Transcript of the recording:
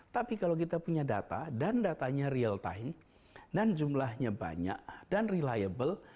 tapi kalau kita punya data dan datanya real time dan jumlahnya banyak dan reliable